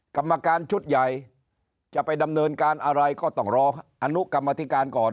กรรมการชุดใหญ่จะไปดำเนินการอะไรก็ต้องรออนุกรรมธิการก่อน